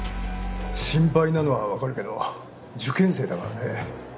心配なのは分かるけど受験生だからね。